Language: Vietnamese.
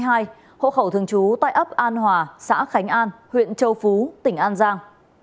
hộ khẩu thường trú tại ấp an hòa xã khánh an huyện châu phú tỉnh an giang